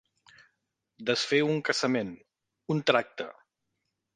Desfer un casament, un tracte.